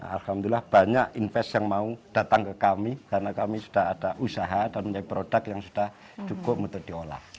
alhamdulillah banyak invest yang mau datang ke kami karena kami sudah ada usaha dan menjadi produk yang sudah cukup untuk diolah